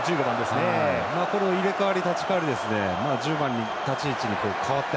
これも入れ代わり立ち代わり１０番に立ち位置に代わって